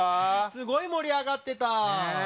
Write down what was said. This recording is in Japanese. すごい盛り上がってた！ね。